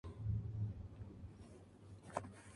Un sujeto dueño de sus herramientas, y no esclavo de ellas.